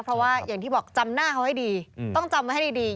เพราะว่าอย่างที่บอกจำหน้าเขาให้ดีต้องจำไว้ให้ดี